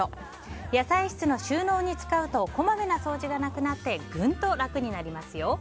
野菜室の収納に使うとこまめな掃除がなくなってぐんと楽になりますよ。